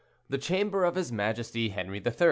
THE CHAMBER OF HIS MAJESTY HENRI III.